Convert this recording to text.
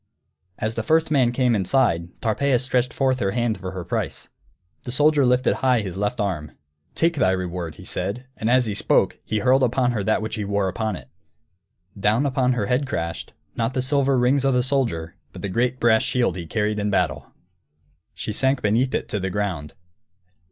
As the first man came inside, Tarpeia stretched forth her hand for her price. The soldier lifted high his left arm. "Take thy reward!" he said, and as he spoke he hurled upon her that which he wore upon it. Down upon her head crashed not the silver rings of the soldier, but the great brass shield he carried in battle! She sank beneath it, to the ground.